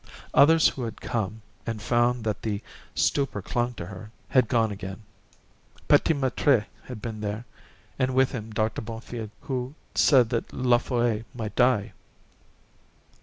Others who had come, and found that the stupor clung to her, had gone again. P'tit Maître had been there, and with him Doctor Bonfils, who said that La Folle might die.